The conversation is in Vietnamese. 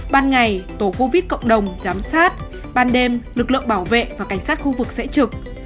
ban ngày tổ covid cộng đồng giám sát ban đêm lực lượng bảo vệ và cảnh sát khu vực sẽ trực